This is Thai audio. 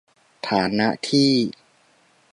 ฐานะที่